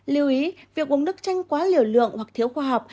liêu ý việc uống nước chanh quá liều lượng hoặc thiếu khoa học